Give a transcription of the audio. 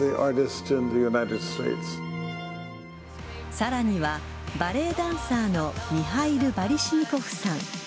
さらには、バレエダンサーのミハイル・バリシニコフさん